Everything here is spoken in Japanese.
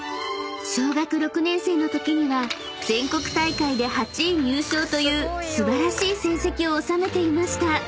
［小学６年生のときには全国大会で８位入賞という素晴らしい成績を収めていました］